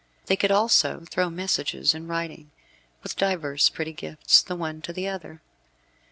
They could also throw messages in writing, and divers pretty gifts, the one to the other.